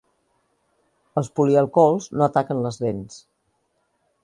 Els polialcohols no ataquen les dents.